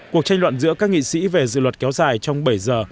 cuộc tranh luận giữa các nghị sĩ về dự luật kéo dài trong bảy giờ